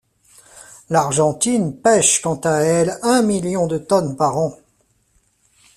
L’Argentine pêche quant à elle un million de tonnes par an.